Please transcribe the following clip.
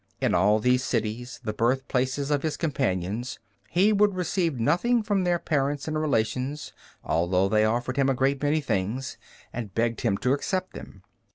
In all these cities, the birthplaces of his companions, he would receive nothing from their parents and relations, although they offered him a great many things, and begged him to accept them.